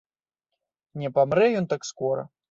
Не памрэ ён так скора.